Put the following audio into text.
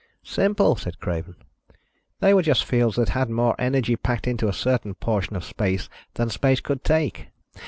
"Simple," said Craven. "They were just fields that had more energy packed into a certain portion of space than space could take.